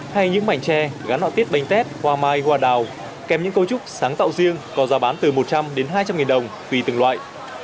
hay những mảnh tre gắn họa tiết bánh tét qua mai hoa đào kèm những cấu trúc sáng tạo riêng có giá bán từ một trăm linh đến hai trăm linh nghìn đồng tùy từng loại